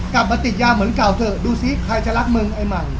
กลับมาติดยาเหมือนเก่าเถอะดูซิใครจะรักมึงไอ้ใหม่